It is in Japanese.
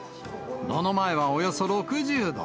炉の前はおよそ６０度。